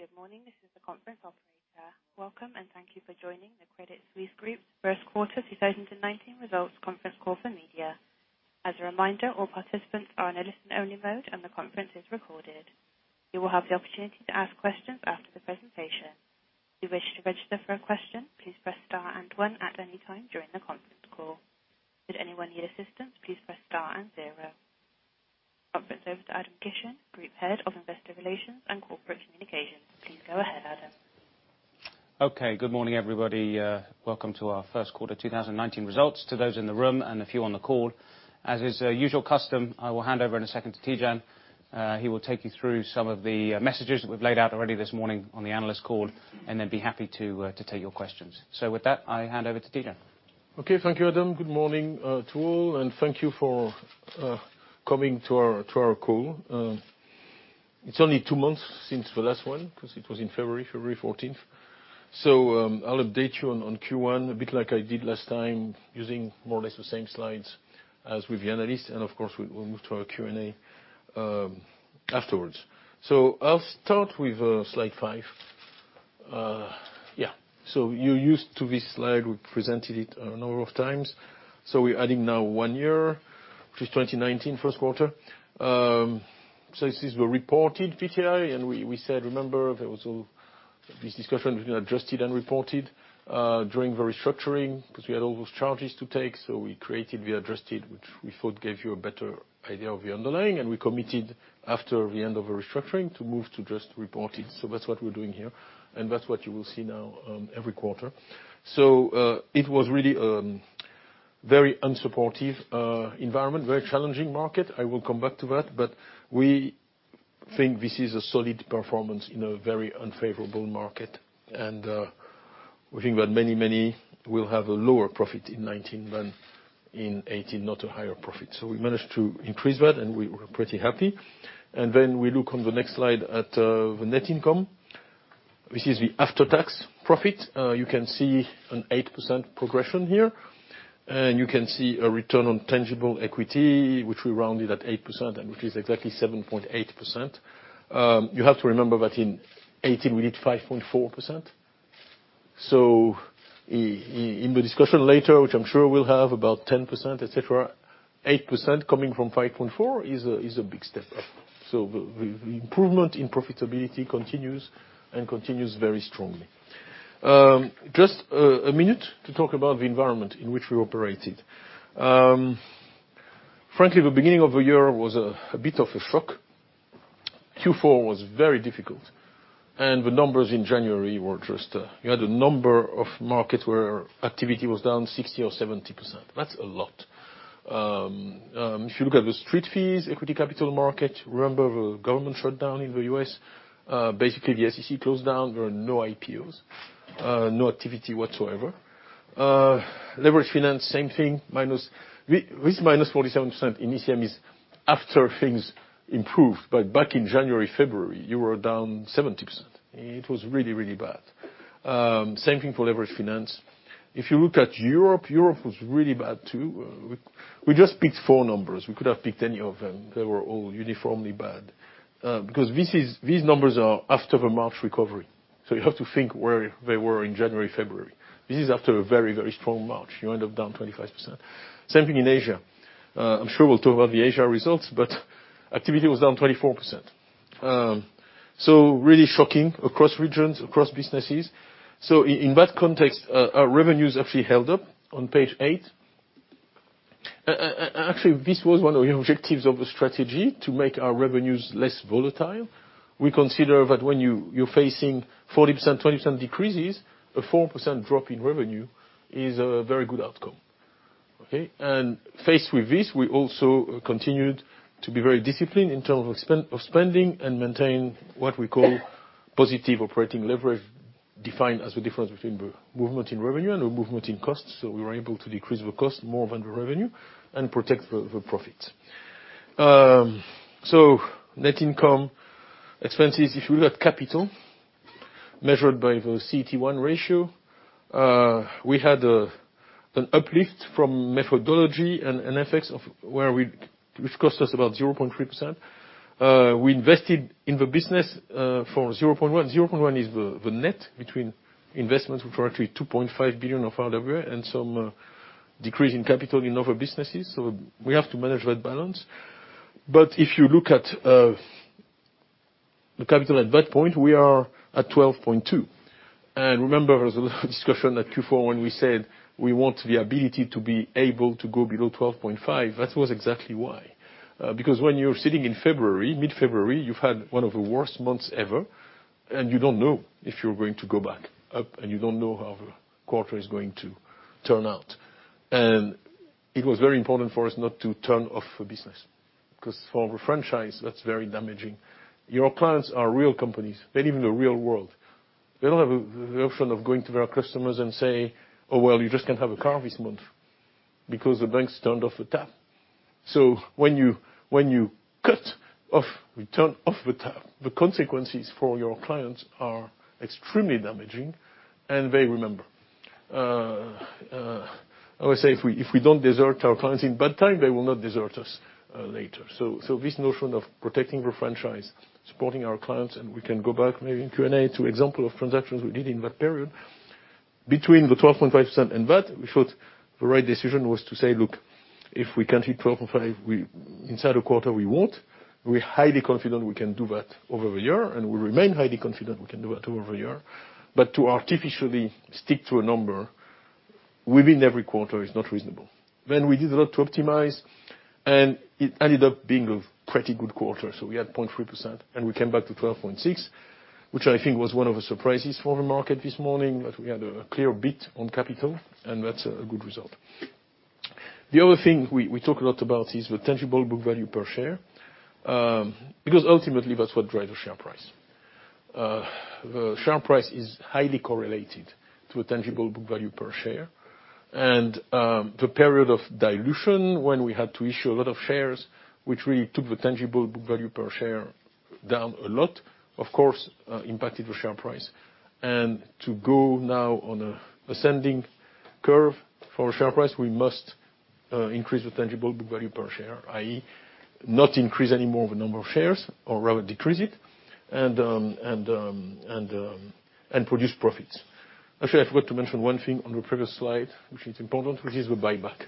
Good morning. This is the conference operator. Welcome, thank you for joining the Credit Suisse Group first quarter 2019 results conference call for media. As a reminder, all participants are in a listen-only mode and the conference is recorded. You will have the opportunity to ask questions after the presentation. If you wish to register for a question, please press star and one at any time during the conference call. Should anyone need assistance, please press star and zero. Conference over to Adam Gishen, Group Head of Investor Relations and Corporate Communications. Please go ahead, Adam. Okay. Good morning, everybody. Welcome to our first quarter 2019 results to those in the room and a few on the call. As is usual custom, I will hand over in a second to Tidjane. He will take you through some of the messages that we've laid out already this morning on the analyst call, then be happy to take your questions. With that, I hand over to Tidjane. Okay. Thank you, Adam. Good morning to all, thank you for coming to our call. It's only two months since the last one, because it was in February 14th. I'll update you on Q1, a bit like I did last time, using more or less the same slides as with the analysts. Of course, we will move to our Q&A afterwards. I'll start with slide five. You're used to this slide. We presented it a number of times. We're adding now one year, which is 2019 first quarter. This is the reported PTI, we said, remember, there was all this discussion between adjusted and reported during the restructuring, because we had all those charges to take, we created the adjusted, which we thought gave you a better idea of the underlying, we committed after the end of the restructuring to move to just reported. That's what we're doing here, that's what you will see now every quarter. It was really a very unsupportive environment, very challenging market. I will come back to that. We think this is a solid performance in a very unfavorable market. We think that many will have a lower profit in '19 than in '18, not a higher profit. We managed to increase that, we were pretty happy. We look on the next slide at the net income. This is the after-tax profit. You can see an 8% progression here. You can see a return on tangible equity, which we rounded at 8%, and which is exactly 7.8%. You have to remember that in 2018, we did 5.4%. In the discussion later, which I'm sure we'll have about 10%, et cetera, 8% coming from 5.4% is a big step up. The improvement in profitability continues and continues very strongly. Just a minute to talk about the environment in which we operated. Frankly, the beginning of the year was a bit of a shock. Q4 was very difficult, and the numbers in January were just— you had a number of markets where activity was down 60% or 70%. That's a lot. If you look at the street fees, equity capital market, remember the government shutdown in the U.S. The SEC closed down. There were no IPOs, no activity whatsoever. Leveraged finance, same thing. This -47% in ECM is after things improved. Back in January, February, you were down 70%. It was really bad. Same thing for leveraged finance. If you look at Europe was really bad, too. We just picked four numbers. We could have picked any of them. They were all uniformly bad. Because these numbers are after the March recovery. You have to think where they were in January, February. This is after a very strong March. You end up down 25%. Same thing in Asia. I'm sure we'll talk about the Asia results, but activity was down 24%. Really shocking across regions, across businesses. In that context, our revenues actually held up on page eight. Actually, this was one of the objectives of the strategy, to make our revenues less volatile. We consider that when you're facing 40%, 20% decreases, a 4% drop in revenue is a very good outcome. Okay? Faced with this, we also continued to be very disciplined in terms of spending and maintain what we call positive operating leverage, defined as the difference between the movement in revenue and the movement in costs. We were able to decrease the cost more than the revenue and protect the profits. Net income expenses, if you look at capital measured by the CET1 ratio, we had an uplift from methodology and effects which cost us about 0.3%. We invested in the business for 0.1. 0.1 is the net between investments, which were actually 2.5 billion of RWA and some decrease in capital in other businesses. We have to manage that balance. If you look at the capital at that point, we are at 12.2. Remember, there was a discussion at Q4 when we said we want the ability to be able to go below 12.5. That was exactly why. Because when you're sitting in February, mid-February, you've had one of the worst months ever, and you don't know if you're going to go back up, and you don't know how the quarter is going to turn out. It was very important for us not to turn off the business, because for the franchise, that's very damaging. Your clients are real companies. They live in the real world. They don't have the option of going to their customers and say, "Oh, well, you just can't have a car this month," because the bank's turned off the tap. When you cut off, we turn off the tap, the consequences for your clients are extremely damaging, and they remember. I always say, if we don't desert our clients in bad times, they will not desert us later. This notion of protecting our franchise, supporting our clients, and we can go back maybe in Q&A, to example of transactions we did in that period between the 12.5% and that, we thought the right decision was to say, "Look, if we can't hit 12.5 inside a quarter, we won't. We're highly confident we can do that over a year, and we remain highly confident we can do that over a year." To artificially stick to a number within every quarter is not reasonable. We did a lot to optimize, and it ended up being a pretty good quarter. We had 0.3%, and we came back to 12.6, which I think was one of the surprises for the market this morning, that we had a clear beat on capital, and that's a good result. The other thing we talk a lot about is the tangible book value per share, because ultimately, that's what drives the share price. The share price is highly correlated to a tangible book value per share. The period of dilution when we had to issue a lot of shares, which really took the tangible book value per share down a lot, of course, impacted the share price. To go now on a ascending curve for share price, we must increase the tangible book value per share, i.e., not increase any more of the number of shares, or rather decrease it, and produce profits. Actually, I forgot to mention one thing on the previous slide, which is important, which is the buyback.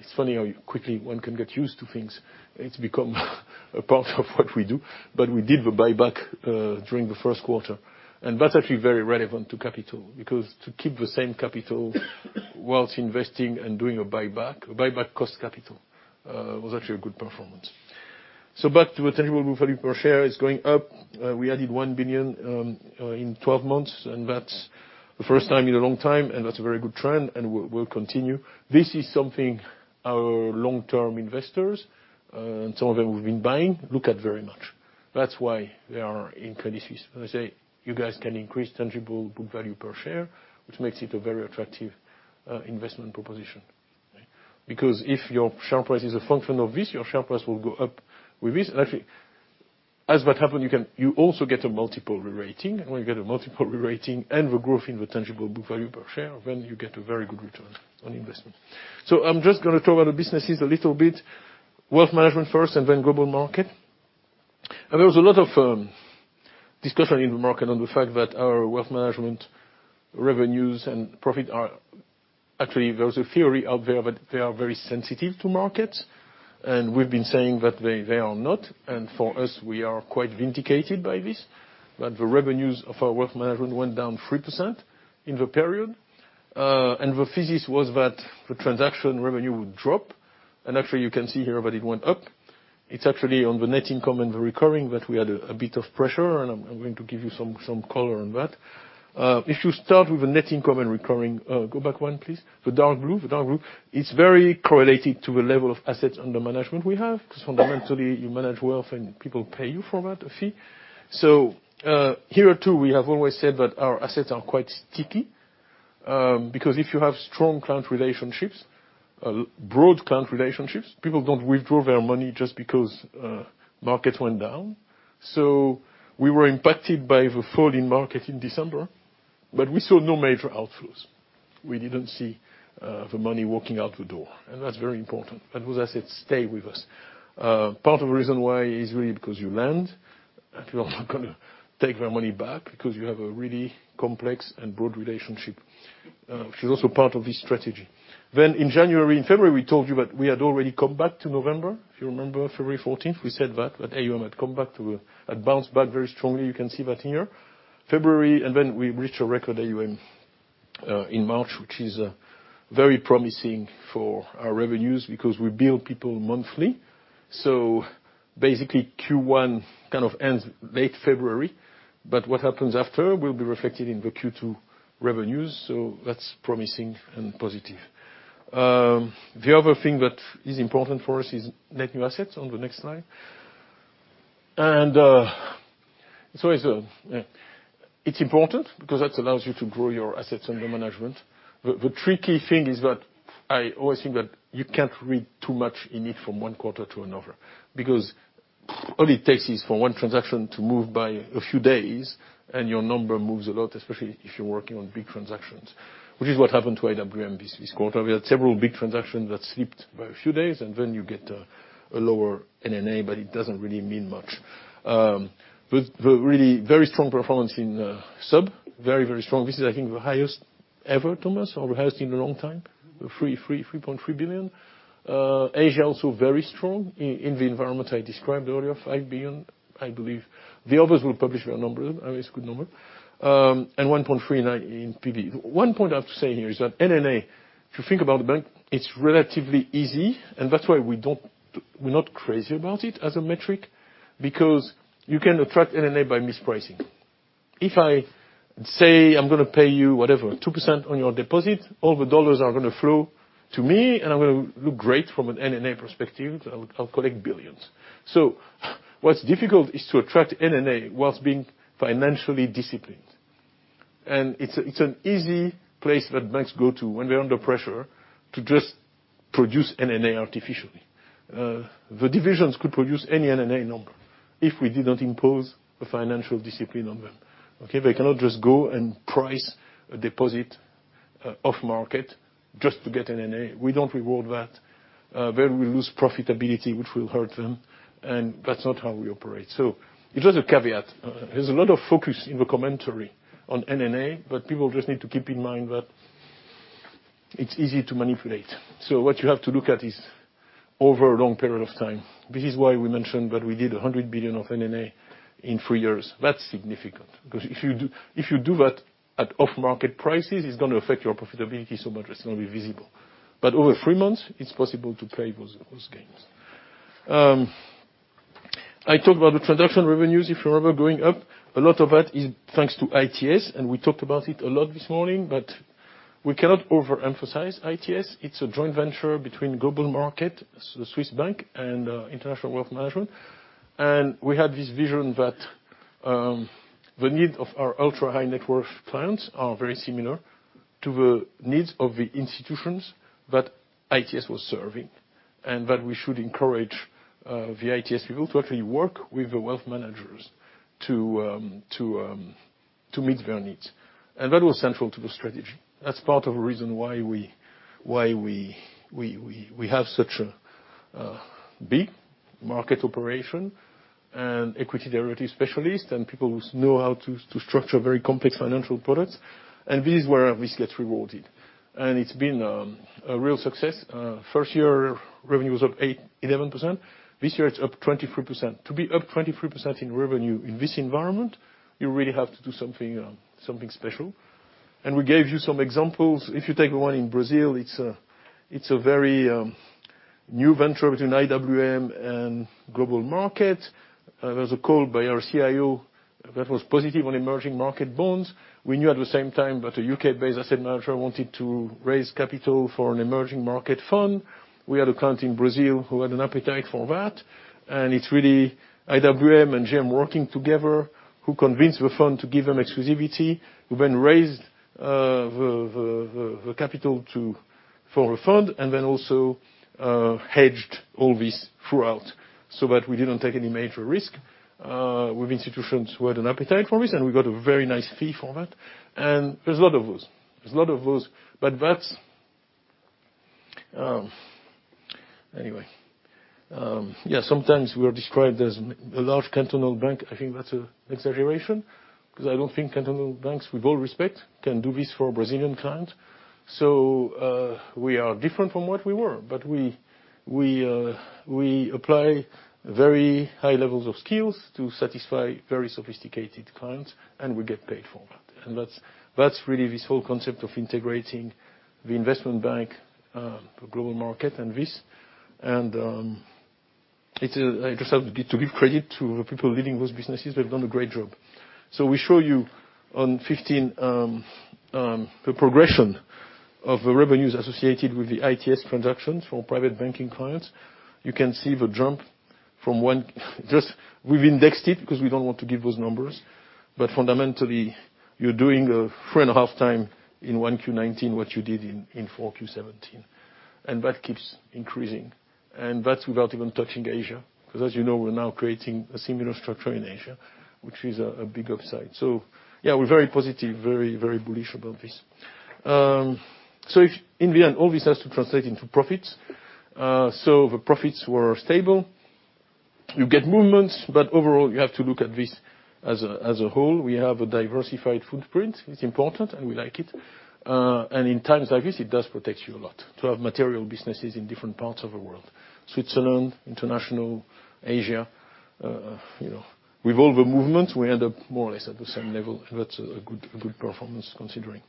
It's funny how quickly one can get used to things. It's become a part of what we do. We did the buyback during the first quarter, and that's actually very relevant to capital, because to keep the same capital whilst investing and doing a buyback, a buyback cost capital, was actually a good performance. Back to the tangible book value per share is going up. We added 1 billion in 12 months, and that's the first time in a long time, and that's a very good trend, and we'll continue. This is something our long-term investors, and some of them who've been buying, look at very much. That's why they are in Credit Suisse. When I say, you guys can increase tangible book value per share, which makes it a very attractive investment proposition. If your share price is a function of this, your share price will go up with this. Actually, as what happened, you also get a multiple rerating. When you get a multiple rerating and the growth in the tangible book value per share, you get a very good return on investment. I'm just going to talk about the businesses a little bit. Wealth management first and then Global Markets. There was a lot of discussion in the market on the fact that our wealth management revenues and profit are. Actually, there was a theory out there that they are very sensitive to markets, and we've been saying that they are not. For us, we are quite vindicated by this. The revenues of our wealth management went down 3% in the period. The thesis was that the transaction revenue would drop. Actually, you can see here that it went up. It's actually on the net income and the recurring that we had a bit of pressure, and I'm going to give you some color on that. If you start with the net income and recurring, go back one, please. The dark blue, it's very correlated to the level of assets under management we have, because fundamentally, you manage wealth and people pay you for that, a fee. Here, too, we have always said that our assets are quite sticky, because if you have strong client relationships, broad client relationships, people don't withdraw their money just because market went down. We were impacted by the fall in market in December, but we saw no major outflows. We didn't see the money walking out the door, and that's very important. That was assets stay with us. Part of the reason why is really because you lend, and people are not going to take their money back because you have a really complex and broad relationship, which is also part of this strategy. In January and February, we told you that we had already come back to November. If you remember February 14th, we said that AUM had bounced back very strongly. You can see that here. February, and then we reached a record AUM in March, which is very promising for our revenues because we bill people monthly. Basically, Q1 ends late February, but what happens after will be reflected in the Q2 revenues. That's promising and positive. The other thing that is important for us is net new assets, on the next slide. It's important because that allows you to grow your assets under management. The tricky thing is that I always think that you can't read too much in it from one quarter to another, because all it takes is for one transaction to move by a few days and your number moves a lot, especially if you're working on big transactions, which is what happened to AWM this quarter. We had several big transactions that slipped by a few days, and then you get a lower NNA, but it doesn't really mean much. Really very strong performance in SUB, very strong. This is, I think, the highest ever, Thomas, or highest in a long time, 3.3 billion. Asia, also very strong in the environment I described earlier, 5 billion, I believe. The others will publish their number. It's a good number. 1.3 in PB. One point I have to say here is that NNA, if you think about the bank, it's relatively easy, and that's why we're not crazy about it as a metric, because you can attract NNA by mispricing. If I say I'm going to pay you whatever, 2% on your deposit, all the dollars are going to flow to me, and I'm going to look great from an NNA perspective. I'll collect billions. What's difficult is to attract NNA whilst being financially disciplined. It's an easy place that banks go to when they're under pressure to just produce NNA artificially. The divisions could produce any NNA number if we did not impose a financial discipline on them. Okay? They cannot just go and price a deposit off market just to get NNA. We don't reward that. We lose profitability, which will hurt them, and that's not how we operate. It was a caveat. There's a lot of focus in the commentary on NNA, but people just need to keep in mind that it's easy to manipulate. What you have to look at is over a long period of time. This is why we mentioned that we did 100 billion of NNA in three years. That's significant, because if you do that at off-market prices, it's going to affect your profitability so much it's going to be visible. But over three months, it's possible to play those games. I talked about the transaction revenues, if you remember, going up. A lot of that is thanks to ITS, and we talked about it a lot this morning, but we cannot overemphasize ITS. It's a joint venture between Global Markets, Swiss Bank, and International Wealth Management. We had this vision that the need of our ultra-high net worth clients are very similar to the needs of the institutions that ITS was serving, and that we should encourage the ITS people to actually work with the wealth managers to meet their needs. That was central to the strategy. That's part of the reason why we have such a big market operation and equity derivative specialist and people who know how to structure very complex financial products. This is where this gets rewarded. It's been a real success. First year, revenue was up 8.11%. This year, it's up 23%. To be up 23% in revenue in this environment, you really have to do something special. We gave you some examples. If you take the one in Brazil, it's a very new venture between IWM and Global Markets. There was a call by our CIO that was positive on emerging market bonds. We knew at the same time that a U.K.-based asset manager wanted to raise capital for an emerging market fund. We had a client in Brazil who had an appetite for that. It's really IWM and GM working together, who convinced the fund to give them exclusivity, who then raised the capital for the fund, and then also hedged all this throughout, so that we didn't take any major risk with institutions who had an appetite for this, and we got a very nice fee for that. There's a lot of those. Anyway. Sometimes we are described as a large cantonal bank. I think that's an exaggeration, because I don't think cantonal banks, with all respect, can do this for a Brazilian client. So, we are different from what we were. We apply very high levels of skills to satisfy very sophisticated clients, and we get paid for that. That's really this whole concept of integrating the investment bank, Global Markets, and this. I just have to give credit to the people leading those businesses. They've done a great job. We show you on 15, the progression of the revenues associated with the ITS transactions for private banking clients. You can see the jump from one. We've indexed it because we don't want to give those numbers. But fundamentally, you're doing a three and a half times in one Q19 what you did in four Q17. That keeps increasing. That's without even touching Asia, because as you know, we're now creating a similar structure in Asia, which is a big upside. Yeah, we're very positive, very bullish about this. If in the end, all this has to translate into profits. The profits were stable. You get movements, but overall, you have to look at this as a whole. We have a diversified footprint. It's important, and we like it. In times like this, it does protect you a lot to have material businesses in different parts of the world. Switzerland, international, Asia. With all the movement, we end up more or less at the same level. That's a good performance considering.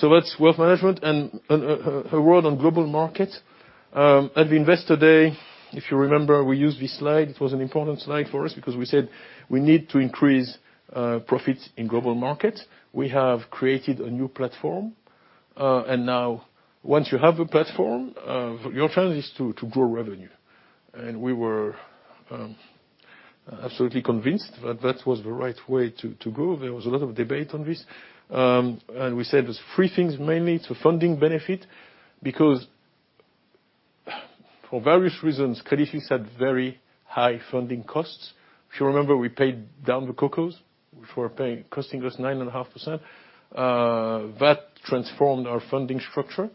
That's wealth management and a word on Global Markets. At the Investor Day, if you remember, we used this slide. It was an important slide for us because we said we need to increase profits in Global Markets. We have created a new platform. Now once you have a platform, your challenge is to grow revenue. We were absolutely convinced that that was the right way to go. There was a lot of debate on this. We said there's three things, mainly. Funding benefit, because for various reasons, Credit Suisse had very high funding costs. If you remember, we paid down the CoCos, which were costing us 9.5%. That transformed our funding structure.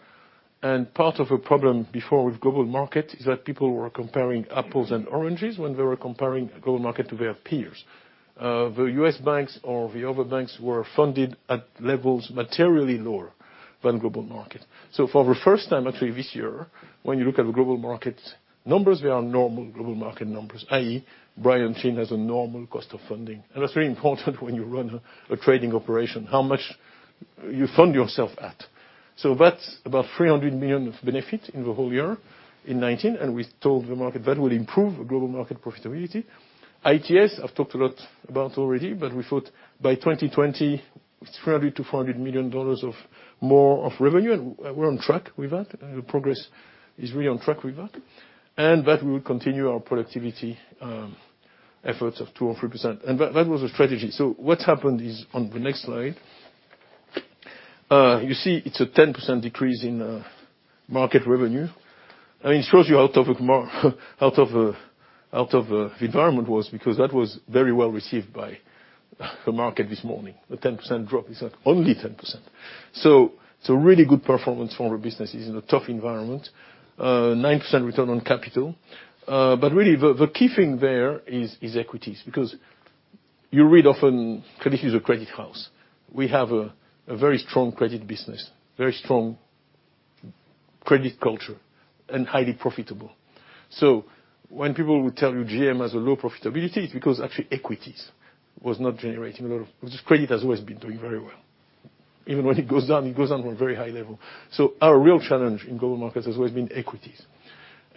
Part of the problem before with Global Markets is that people were comparing apples and oranges when they were comparing Global Markets to their peers. The U.S. banks or the other banks were funded at levels materially lower than Global Markets. For the first time, actually, this year, when you look at the Global Markets numbers, they are normal Global Markets numbers, i.e. Brian Chin has a normal cost of funding. That's very important when you run a trading operation, how much you fund yourself at. That's about 300 million of benefit in the whole year in 2019, we told the market that will improve Global Markets profitability. ITS, I've talked a lot about already, but we thought by 2020, $300 million to $400 million of more of revenue, we're on track with that. Progress is really on track with that. We would continue our productivity efforts of 2% or 3%. That was the strategy. What happened is, on the next slide. You see it's a 10% decrease in market revenue, it shows you how tough the environment was, that was very well received by the market this morning. A 10% drop is only 10%. It's a really good performance for our business. It's in a tough environment. 9% return on capital. Really, the key thing there is equities. You read often Credit Suisse is a credit house. We have a very strong credit business, very strong credit culture, and highly profitable. When people will tell you GM has a low profitability, it's because actually equities was not generating a lot of. Credit has always been doing very well. Even when it goes down, it goes down from a very high level. Our real challenge in Global Markets has always been equities.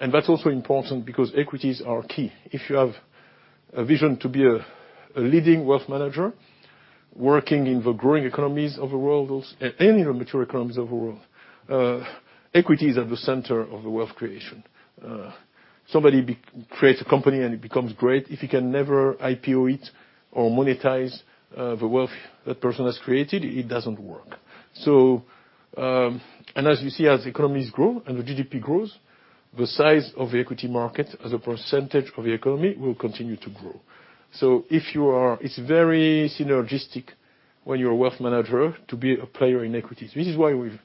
That's also important because equities are key. If you have a vision to be a leading wealth manager working in the growing economies of the world, and in the mature economies of the world, equity is at the center of the wealth creation. Somebody creates a company and it becomes great. If you can never IPO it or monetize the wealth that person has created, it doesn't work. As you see, as economies grow and the GDP grows, the size of the equity market as a percentage of the economy will continue to grow. It's very synergistic when you're a wealth manager to be a player in equities. This is why we've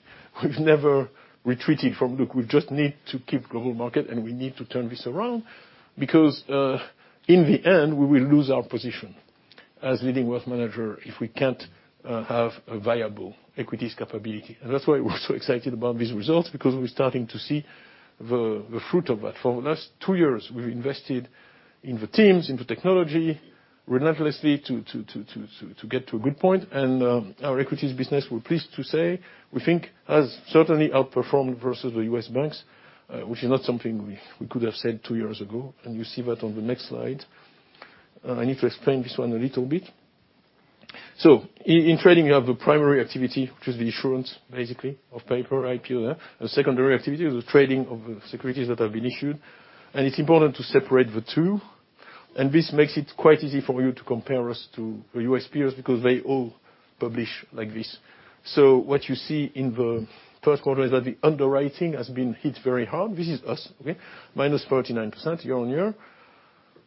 never retreated from, "Look, we just need to keep Global Markets, and we need to turn this around," because, in the end, we will lose our position as leading wealth manager if we can't have a viable equities capability. That's why we're so excited about these results, because we're starting to see the fruit of that. For the last two years, we've invested in the teams, in the technology relentlessly to get to a good point, our equities business, we're pleased to say, we think has certainly outperformed versus the U.S. banks, which is not something we could have said two years ago. You see that on the next slide. I need to explain this one a little bit. In trading, you have the primary activity, which is the issuance, basically, of paper, IPO. The secondary activity is the trading of the securities that have been issued. It's important to separate the two, and this makes it quite easy for you to compare us to the U.S. peers, because they all publish like this. What you see in the first quarter is that the underwriting has been hit very hard. This is us. Okay? Minus 39% year-over-year,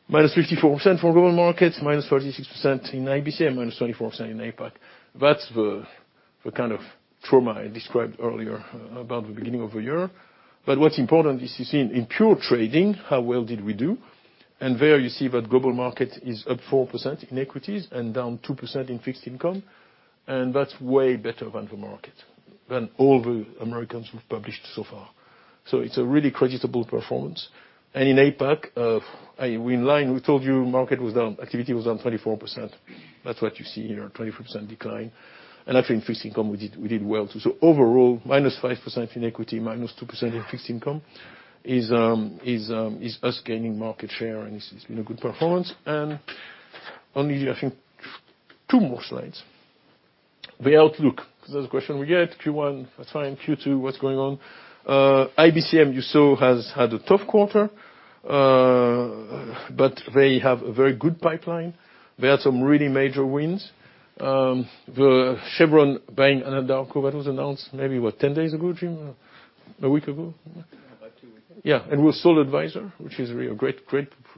minus 54% for Global Markets, minus 36% in IBCM, minus 24% in APAC. That's the kind of trauma I described earlier about the beginning of the year. What's important is you see in pure trading, how well did we do? There you see that Global Markets is up 4% in equities and down 2% in fixed income. That's way better than the market, than all the Americans who've published so far. It's a really creditable performance. In APAC, we align. We told you market was down, activity was down 24%. That's what you see here, 24% decline. Actually, in fixed income, we did well, too. Overall, minus 5% in equity, minus 2% in fixed income is us gaining market share, and this has been a good performance. Only, I think, two more slides. The outlook, because that's a question we get. Q1, that's fine. Q2, what's going on? IBCM, you saw, has had a tough quarter. They have a very good pipeline. They had some really major wins. The Chevron buying Anadarko, that was announced maybe what, 10 days ago, Jim? A week ago? About two weeks ago. Yeah. We're sole advisor, which is really great,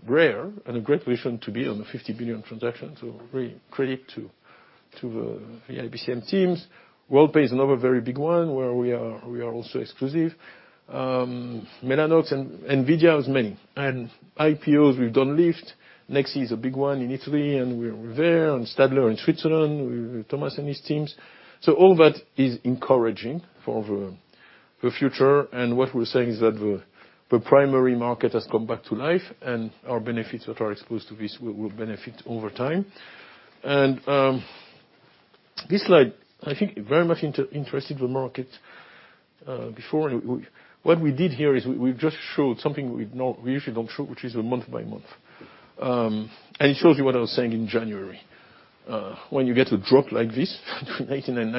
rare, and a great position to be on the 50 billion transaction. Great credit to the IBCM teams. Worldpay is another very big one where we are also exclusive. Mellanox and NVIDIA has many. IPOs, we've done Lyft. Nexi is a big one in Italy, and we're there, and Stadler in Switzerland, Thomas and his teams. All that is encouraging for the future, and what we're saying is that the primary market has come back to life, and our benefits that are exposed to this will benefit over time. This slide, I think very much interested the market. Before, what we did here is we've just showed something we usually don't show, which is a month by month. It shows you what I was saying in January. When you get a drop like this between 2018 and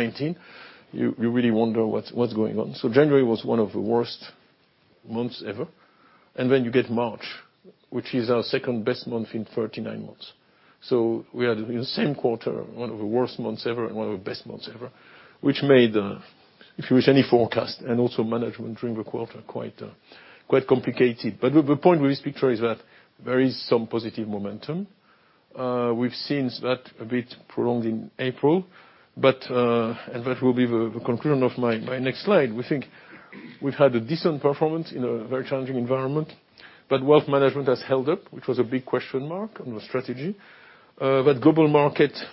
2019, you really wonder what's going on. January was one of the worst months ever. You get March, which is our second-best month in 39 months. We had in the same quarter, one of the worst months ever and one of the best months ever, which made, if you wish any forecast and also management during the quarter, quite complicated. The point with this picture is that there is some positive momentum. We've seen that a bit prolonged in April. That will be the conclusion of my next slide. We think we've had a decent performance in a very challenging environment. Wealth management has held up, which was a big question mark on the strategy. Global Markets,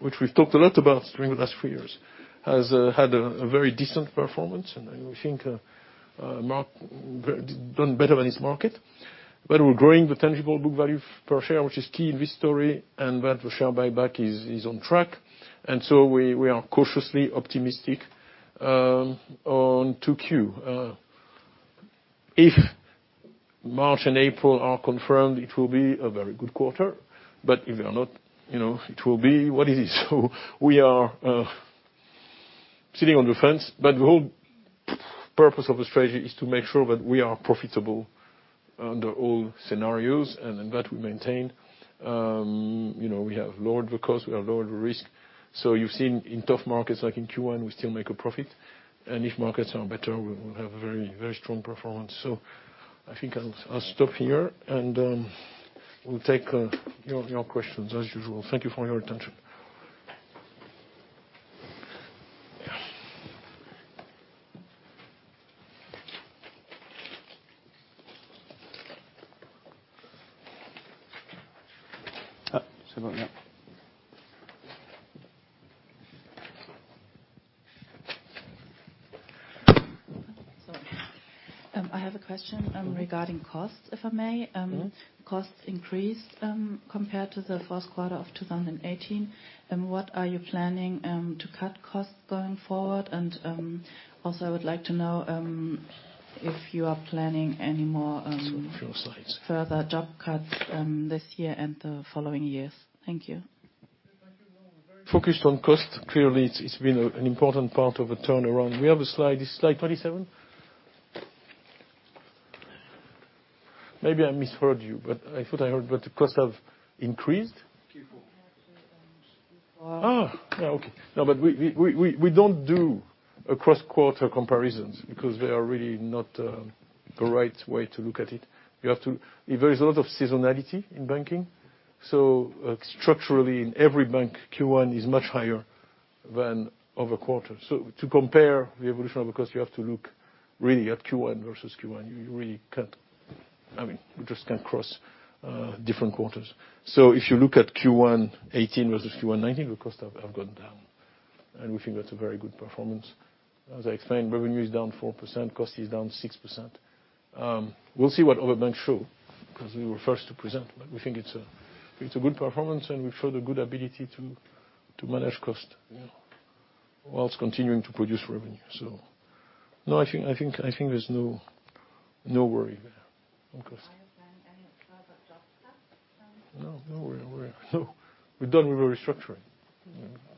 which we've talked a lot about during the last few years, has had a very decent performance. I think done better than its market. We're growing the tangible book value per share, which is key in this story, and that the share buyback is on track. We are cautiously optimistic on 2Q. If March and April are confirmed, it will be a very good quarter. If they are not, it will be what it is. We are sitting on the fence, but the whole purpose of the strategy is to make sure that we are profitable under all scenarios, and that we maintain. We have lowered the cost, we have lowered the risk. You've seen in tough markets like in Q1, we still make a profit. If markets are better, we will have a very strong performance. I think I'll stop here, and we'll take your questions as usual. Thank you for your attention. Yeah. Sorry. I have a question regarding costs, if I may. Costs increased, compared to the first quarter of 2018. What are you planning to cut costs going forward? Also, I would like to know if you are planning any more. It's on a few slides. further job cuts, this year and the following years. Thank you. Thank you. We're very focused on cost. Clearly, it's been an important part of the turnaround. We have a slide. It's slide 27. Maybe I misheard you, I thought I heard that the costs have increased? Q4. Compared to Q4. Oh. Yeah. Okay. No, we don't do across quarter comparisons because they are really not the right way to look at it. There is a lot of seasonality in banking. Structurally in every bank, Q1 is much higher than other quarters. To compare the evolution of cost, you have to look really at Q1 versus Q1. You really can't cross different quarters. If you look at Q1 2018 versus Q1 2019, the costs have gone down, and we think that's a very good performance. As I explained, revenue is down 4%, cost is down 6%. We'll see what other banks show because we were first to present. We think it's a good performance, and we've showed a good ability to manage cost, whilst continuing to produce revenue. No, I think there's no worry there on cost. Are you planning any further job cuts then? No. We're done with the restructuring.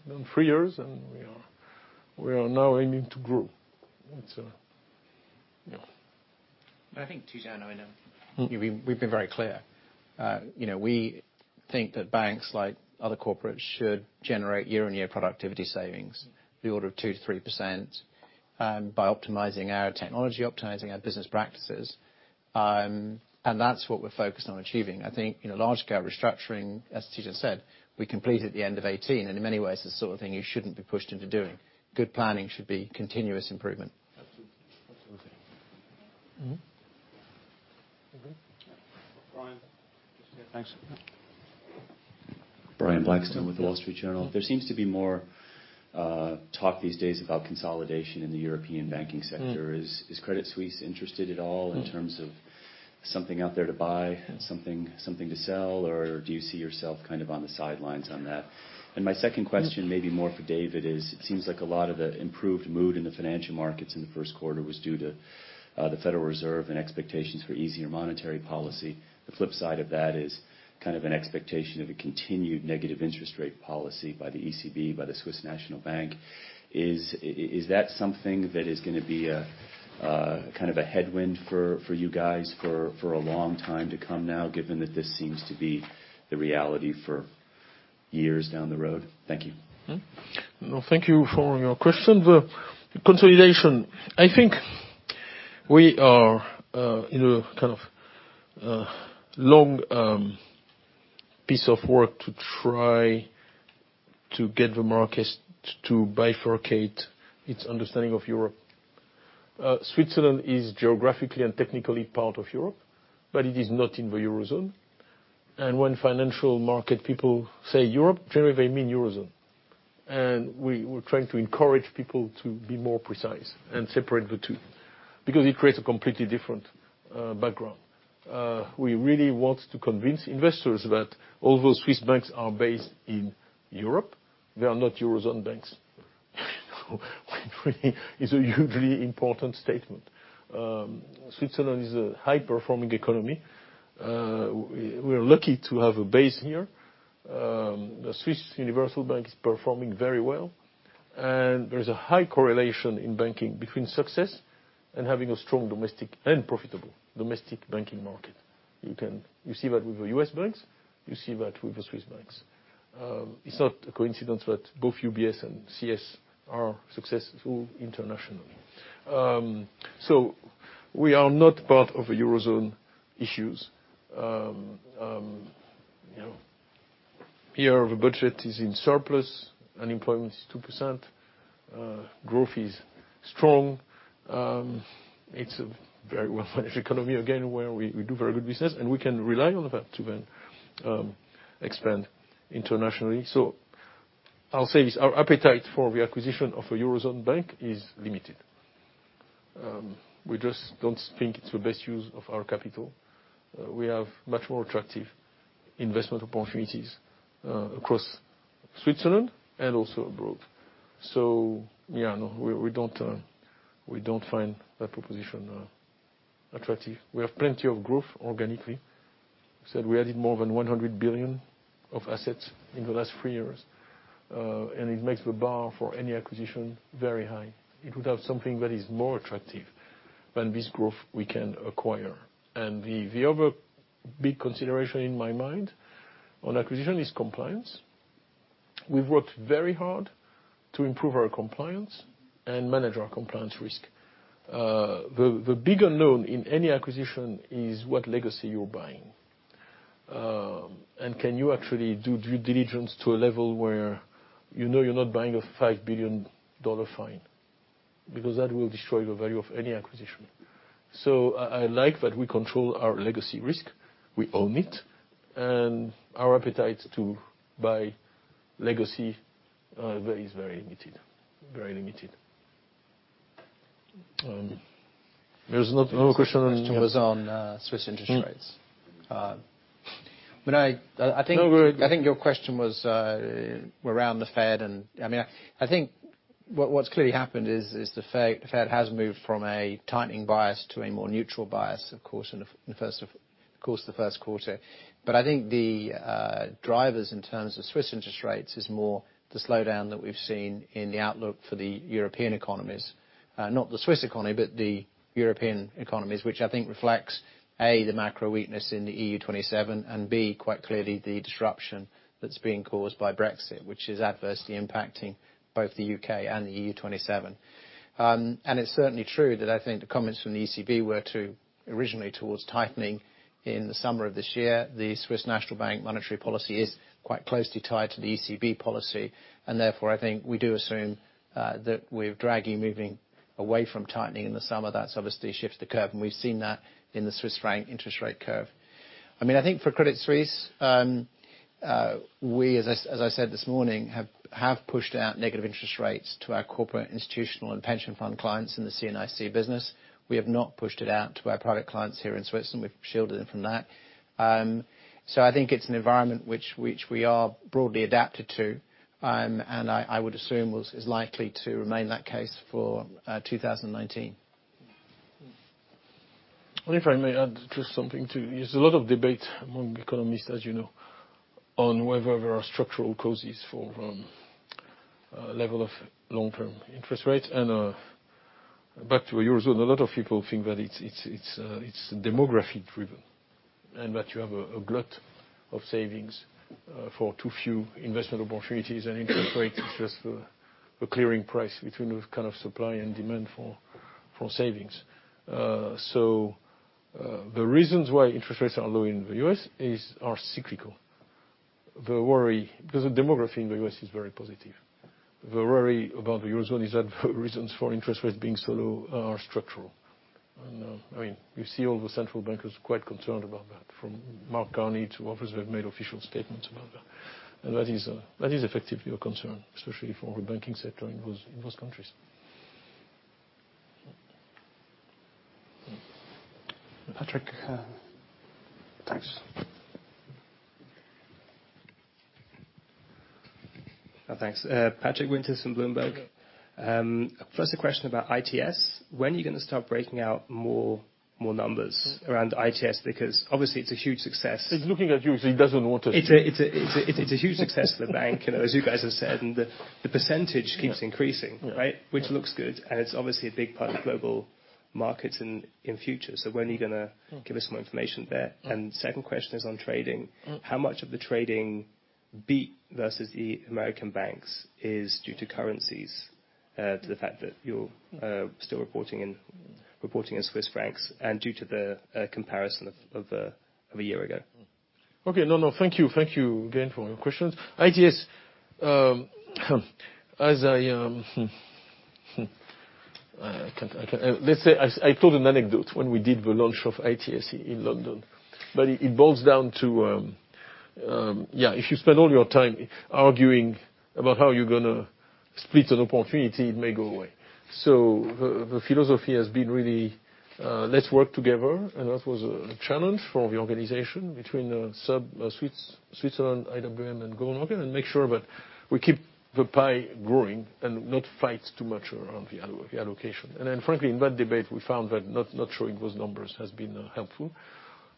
We've done three years, and we are now aiming to grow. It's a Yeah. I think, Tidjane, we've been very clear. We think that banks, like other corporates, should generate year-on-year productivity savings of the order of 2%-3%, by optimizing our technology, optimizing our business practices. That's what we're focused on achieving. I think, large-scale restructuring, as Tidjane said, we completed at the end of 2018. In many ways, it's the sort of thing you shouldn't be pushed into doing. Good planning should be continuous improvement. Absolutely. Mm-hmm. Mm-hmm. Brian. Just here. Thanks. Brian Blackstone with The Wall Street Journal. There seems to be more talk these days about consolidation in the European banking sector. Is Credit Suisse interested at all? In terms of something out there to buy, something to sell? Or do you see yourself on the sidelines on that? My second question, maybe more for David, is it seems like a lot of the improved mood in the financial markets in the first quarter was due to the Federal Reserve and expectations for easier monetary policy. The flip side of that is an expectation of a continued negative interest rate policy by the ECB, by the Swiss National Bank. Is that something that is going to be a headwind for you guys for a long time to come now, given that this seems to be the reality for years down the road? Thank you. No, thank you for your question. The consolidation, I think we are in a long piece of work to try to get the markets to bifurcate its understanding of Europe. Switzerland is geographically and technically part of Europe, but it is not in the Eurozone. When financial market people say Europe, generally, they mean Eurozone. We're trying to encourage people to be more precise and separate the two, because it creates a completely different background. We really want to convince investors that although Swiss banks are based in Europe, they are not Eurozone banks. It's a hugely important statement. Switzerland is a high-performing economy. We are lucky to have a base here. The Swiss Universal Bank is performing very well, and there is a high correlation in banking between success and having a strong and profitable domestic banking market. You see that with the U.S. banks. You see that with the Swiss banks. It's not a coincidence that both UBS and CS are successful internationally. We are not part of the Eurozone issues. Here, the budget is in surplus. Unemployment is 2%. Growth is strong. It's a very well-managed economy, again, where we do very good business, and we can rely on that to then expand internationally. I'll say this, our appetite for the acquisition of a Eurozone bank is limited. We just don't think it's the best use of our capital. We have much more attractive investment opportunities across Switzerland and also abroad. Yeah, no, we don't find that proposition attractive. We have plenty of growth organically. Said we added more than 100 billion of assets in the last three years, and it makes the bar for any acquisition very high. It would have something that is more attractive than this growth we can acquire. The other big consideration in my mind on acquisition is compliance. We've worked very hard to improve our compliance and manage our compliance risk. The bigger risk in any acquisition is what legacy you're buying. Can you actually do due diligence to a level where you know you're not buying a CHF 5 billion fine, because that will destroy the value of any acquisition. I like that we control our legacy risk. We own it, and our appetite to buy legacy is very limited. The question was on Swiss interest rates. I think. No worry. I think your question was around the Fed and I think what's clearly happened is the Fed has moved from a tightening bias to a more neutral bias, of course, the first quarter. I think the drivers in terms of Swiss interest rates is more the slowdown that we've seen in the outlook for the European economies. Not the Swiss economy, but the European economies, which I think reflects, A, the macro weakness in the EU 27, and B, quite clearly the disruption that's being caused by Brexit, which is adversely impacting both the U.K. and the EU 27. It's certainly true that I think the comments from the ECB were originally towards tightening in the summer of this year. Therefore, I think we do assume that with Draghi moving away from tightening in the summer, that's obviously shifts the curve, and we've seen that in the Swiss franc interest rate curve. I think for Credit Suisse, we, as I said this morning, have pushed out negative interest rates to our corporate, institutional, and pension fund clients in the CNIC business. We have not pushed it out to our private clients here in Switzerland. We've shielded them from that. I think it's an environment which we are broadly adapted to, and I would assume is likely to remain that case for 2019. If I may add just something, too. There's a lot of debate among economists, as you know, on whether there are structural causes for level of long-term interest rates. Back to Eurozone, a lot of people think that it's demography driven, and that you have a glut of savings for too few investment opportunities and interest rates is just the clearing price between those kind of supply and demand for savings. The reasons why interest rates are low in the U.S. are cyclical. The demography in the U.S. is very positive. The worry about the Eurozone is that the reasons for interest rates being so low are structural. You see all the central bankers quite concerned about that, from Mark Carney to others who have made official statements about that. That is effectively a concern, especially for the banking sector in those countries. Patrick. Thanks. Thanks. Patrick Winters from Bloomberg. First a question about ITS. When are you going to start breaking out more numbers around ITS? Obviously it's a huge success. It's looking at you, he doesn't want to. It's a huge success for the bank, as you guys have said, the percentage keeps increasing, right? Yeah. Which looks good, it's obviously a big part of Global Markets in future. When are you going to give us more information there? Second question is on trading. How much of the trading beat versus the American banks is due to currencies, to the fact that you're still reporting in Swiss francs, due to the comparison of a year ago? Okay. No, thank you. Thank you again for your questions. ITS. Let's say, I told an anecdote when we did the launch of ITS in London. It boils down to, if you spend all your time arguing about how you're going to split an opportunity, it may go away. The philosophy has been really, let's work together, that was a challenge for the organization between Switzerland, IWM, and Goldman Sachs, make sure that we keep the pie growing and not fight too much around the allocation. Frankly, in that debate, we found that not showing those numbers has been helpful.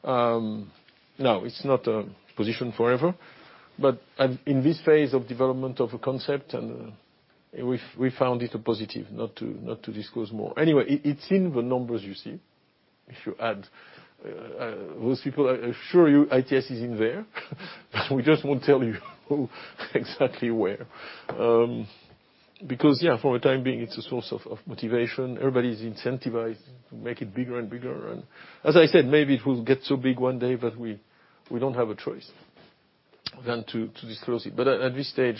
No, it's not a position forever. In this phase of development of a concept, we found it a positive not to disclose more. Anyway, it's in the numbers you see, if you add those people. I assure you ITS is in there. We just won't tell you exactly where. Yeah, for the time being, it's a source of motivation. Everybody's incentivized to make it bigger and bigger, and as I said, maybe it will get so big one day that we don't have a choice than to disclose it. At this stage,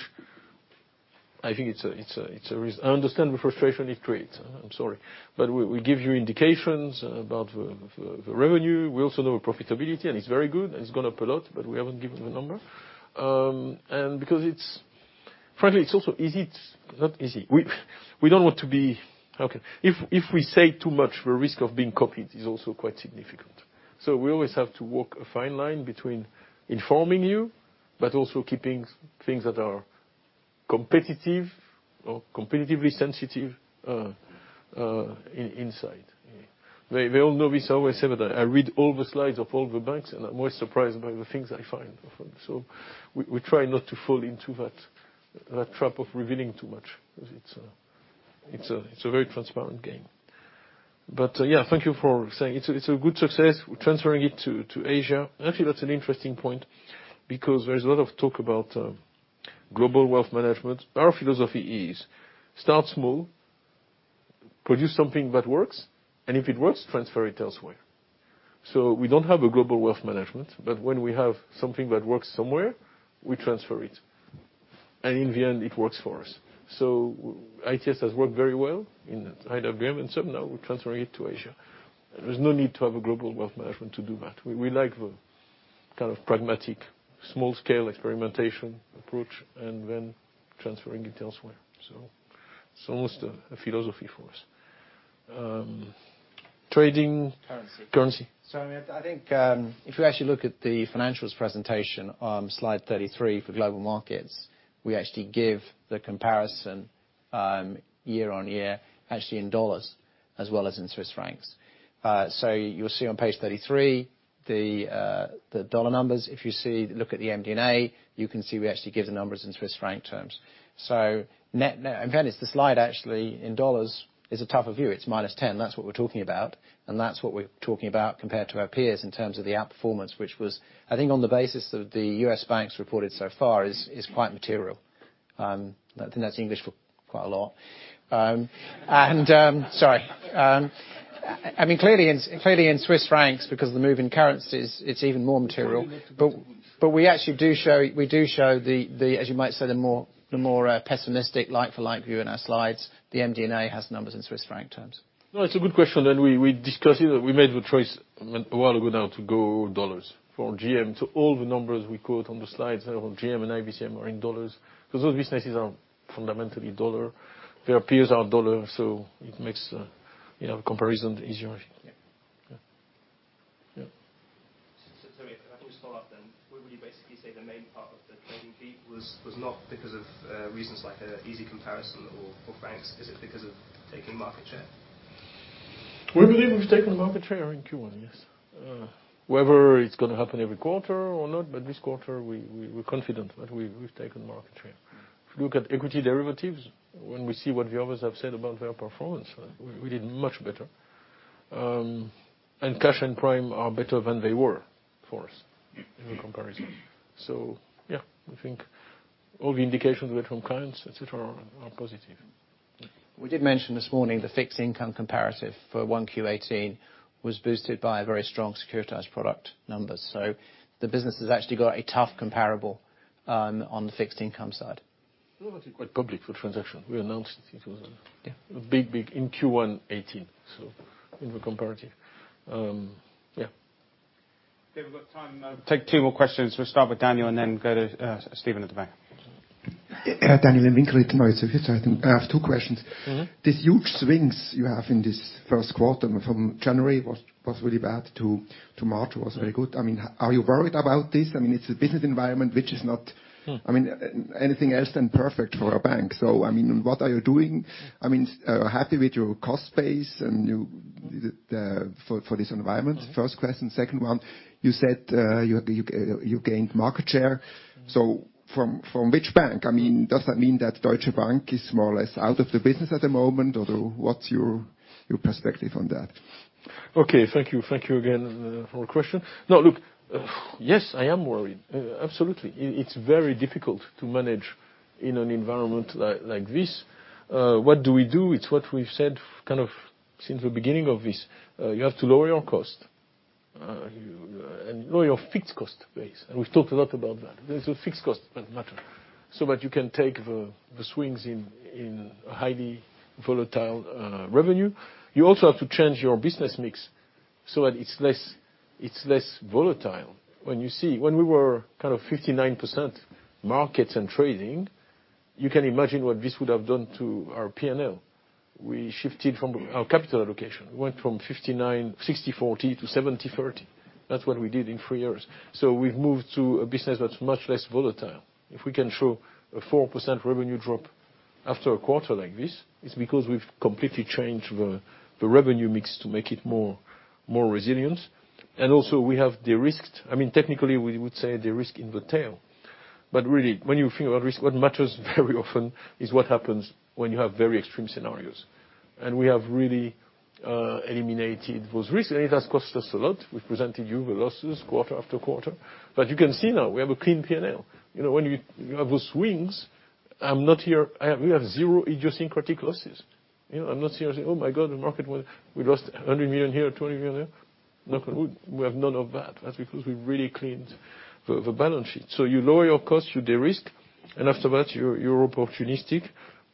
I think it's a risk. I understand the frustration it creates. I'm sorry. We give you indications about the revenue. We also know profitability, and it's very good, and it's gone up a lot, but we haven't given the number. Because frankly, it's not easy. We don't want to be okay. If we say too much, the risk of being copied is also quite significant. We always have to walk a fine line between informing you but also keeping things that are competitive or competitively sensitive insight. They all know this, I always say that I read all the slides of all the banks, and I'm always surprised by the things I find. We try not to fall into that trap of revealing too much, because it's a very transparent game. Yeah, thank you for saying. It's a good success. We're transferring it to Asia. Actually, that's an interesting point, because there is a lot of talk about global wealth management. Our philosophy is start small, produce something that works, and if it works, transfer it elsewhere. We don't have a global wealth management, but when we have something that works somewhere, we transfer it. In the end, it works for us. ITS has worked very well in IWM, and now we're transferring it to Asia. There's no need to have a global wealth management to do that. We like the pragmatic small-scale experimentation approach, and then transferring it elsewhere. It's almost a philosophy for us. Currency. Currency. I think if you actually look at the financials presentation on slide 33 for Global Markets, we actually give the comparison year-on-year, actually in U.S. dollars as well as in CHF. You'll see on page 33 the U.S. dollar numbers. If you look at the MD&A, you can see we actually give the numbers in CHF terms. In fairness, the slide actually in U.S. dollars is a tougher view. It's -10%. That's what we're talking about, and that's what we're talking about compared to our peers in terms of the outperformance, which was, I think on the basis of the U.S. banks reported so far is quite material. I think that's English for quite a lot. Sorry. Clearly in CHF, because the move in currency, it's even more material. We actually do show, as you might say, the more pessimistic like for like view in our slides. The MD&A has numbers in Swiss franc terms. It's a good question, and we discussed it. We made the choice a while ago now to go all dollars for GM. All the numbers we quote on the slides, GM and IBCM are in dollars, because those businesses are fundamentally dollar. Their peers are dollar, so it makes the comparison easier, I think. Yeah. If I can just follow up, would you basically say the main part of the trading fee was not because of reasons like easy comparison or francs? Is it because of taking market share? We believe we've taken market share in Q1, yes. Whether it's going to happen every quarter or not, this quarter, we're confident that we've taken market share. If you look at equity derivatives, when we see what the others have said about their performance, we did much better. Cash and prime are better than they were for us in comparison. Yeah, I think all the indications we had from clients, et cetera, are positive. We did mention this morning the fixed income comparative for 1Q 2018 was boosted by very strong securitized product numbers. The business has actually got a tough comparable on the fixed income side. It was actually quite public for transaction. We announced it. It was a big in Q1 2018, so in the comparative. Yeah. Okay. We've got time. Take two more questions. We'll start with Daniel and then go to Stephen at the back. Daniel Imwinkelried, I have two questions. These huge swings you have in this first quarter from January was really bad to March was very good. Are you worried about this? It's a business environment, which is not anything else than perfect for a bank. What are you doing? Are you happy with your cost base and for this environment? First question. Second one, you said you gained market share. From which bank? Does that mean that Deutsche Bank is more or less out of the business at the moment? Or what's your perspective on that? Okay. Thank you. Thank you again for the question. No, look, yes, I am worried. Absolutely. It's very difficult to manage in an environment like this. What do we do? It's what we've said since the beginning of this. You have to lower your cost, and lower your fixed cost base. We've talked a lot about that. There's a fixed cost that matters, so that you can take the swings in highly volatile revenue. You also have to change your business mix so that it's less volatile. When you see, when we were 59% markets and trading, you can imagine what this would have done to our P&L. We shifted from our capital allocation. We went from 60/40 to 70/30. That's what we did in three years. We've moved to a business that's much less volatile. If we can show a 4% revenue drop after a quarter like this, it's because we've completely changed the revenue mix to make it more resilient. Also, we have derisked. Technically, we would say derisk in the tail. Really, when you think about risk, what matters very often is what happens when you have very extreme scenarios. We have really eliminated those risks. It has cost us a lot. We've presented you the losses quarter after quarter. You can see now we have a clean P&L. When you have those swings, we have zero idiosyncratic losses. I'm not sitting here saying, "Oh, my God, the market went We lost 100 million here, 20 million there." Knock on wood, we have none of that. That's because we really cleaned the balance sheet. You lower your cost, you derisk, after that, you're opportunistic,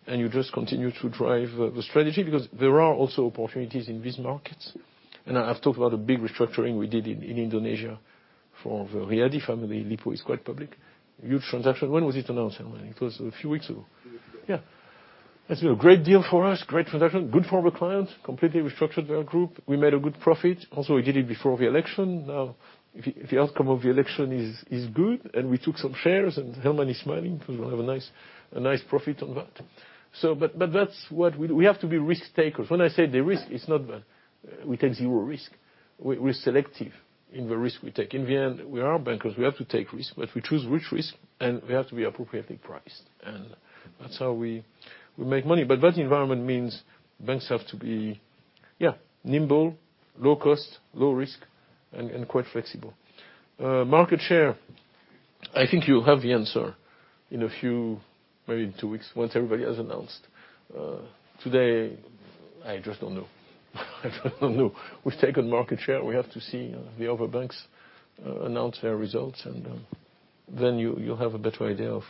you just continue to drive the strategy, because there are also opportunities in these markets. I've talked about a big restructuring we did in Indonesia for the Riady family, Lippo, it's quite public. Huge transaction. When was it announced? It was a few weeks ago. Few weeks ago. Yeah. That's been a great deal for us, great transaction. Good for the client, completely restructured their group. We made a good profit. Also, we did it before the election. Now, if the outcome of the election is good, and we took some shares, and Helman is smiling because we'll have a nice profit on that. We have to be risk-takers. When I say the risk, it's not that we take zero risk. We're selective in the risk we take. In the end, we are bankers, we have to take risk, but we choose which risk, and we have to be appropriately priced. That's how we make money. That environment means banks have to be, yeah, nimble, low cost, low risk, and quite flexible. Market share, I think you'll have the answer in a few, maybe two weeks, once everybody has announced. Today, I just don't know. I don't know. We've taken market share. We have to see the other banks announce their results. Then you'll have a better idea of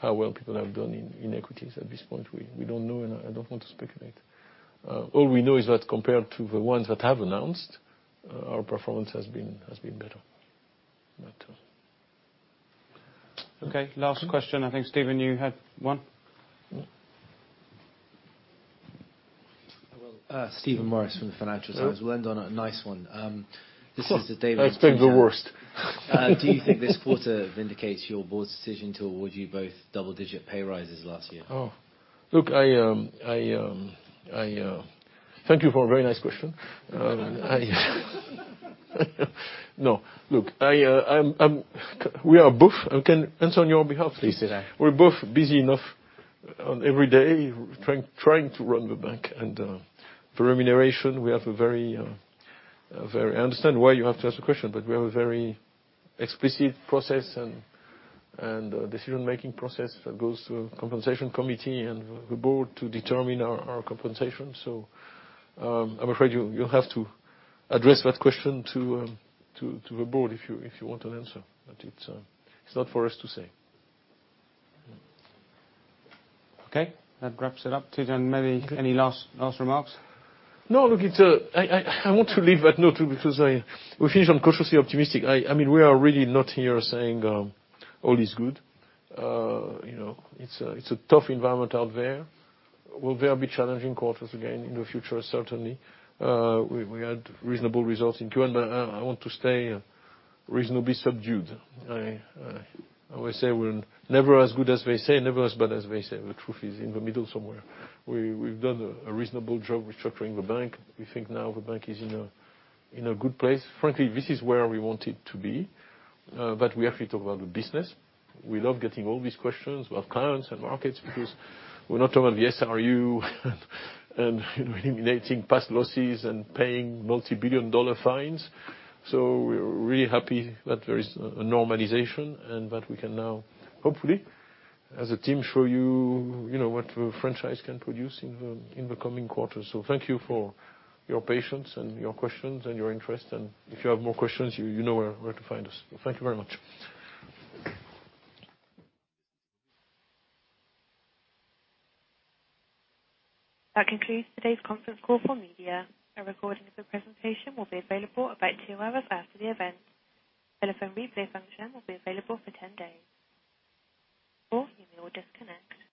how well people have done in equities. At this point, we don't know. I don't want to speculate. All we know is that compared to the ones that have announced, our performance has been better. Okay, last question. I think, Stephen, you had one? Well, Stephen Morris from the Financial Times. We'll end on a nice one. This is to David. I expect the worst. Do you think this quarter vindicates your board's decision to award you both double-digit pay rises last year? Oh. Look, thank you for a very nice question. No. Look, we are both Adam, on your behalf, please. Please do that. We're both busy enough on every day trying to run the bank. For remuneration, I understand why you have to ask the question, we have a very explicit process, and a decision-making process that goes to a Compensation Committee and the Board to determine our compensation. I'm afraid you'll have to address that question to the Board if you want an answer. It's not for us to say. Okay. That wraps it up. Tidjane, maybe any last remarks? Look, I want to leave that note because we finish on cautiously optimistic. We are really not here saying all is good. It's a tough environment out there. Will there be challenging quarters again in the future? Certainly. We had reasonable results in Q1. I want to stay reasonably subdued. I always say we're never as good as they say, never as bad as they say. The truth is in the middle somewhere. We've done a reasonable job restructuring the bank. We think now the bank is in a good place. Frankly, this is where we want it to be. We have to talk about the business. We love getting all these questions about clients and markets, because we're not talking about the SRU and eliminating past losses and paying multi-billion dollar fines. We're really happy that there is a normalization, and that we can now, hopefully, as a team, show you what the franchise can produce in the coming quarters. Thank you for your patience and your questions and your interest. If you have more questions, you know where to find us. Thank you very much. That concludes today's conference call for media. A recording of the presentation will be available about two hours after the event. Telephone replay function will be available for 10 days. You may disconnect.